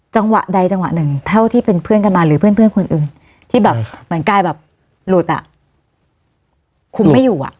จังหวะใดจังหวะหนึ่งเท่าที่เป็นเพื่อนกันมาหรือเพื่อนคนอื่นที่แบบเหมือนกายแบบหลุดอ่ะคุมไม่อยู่อ่ะ